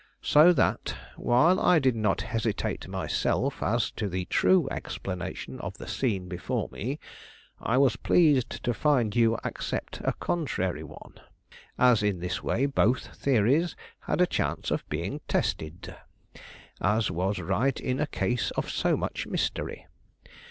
So that, while I did not hesitate myself as to the true explanation of the scene before me, I was pleased to find you accept a contrary one; as in this way both theories had a chance of being tested; as was right in a case of so much mystery.